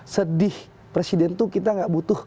sedih presiden itu kita nggak butuh